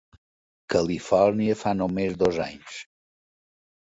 Califòrnia, fa només dos anys.